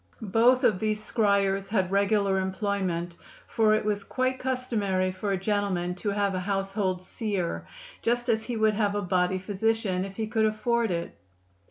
Both of these scryers had regular employment, for it was quite customary for a gentleman to have a household seer, just as he would have a body physician, if he could afford it.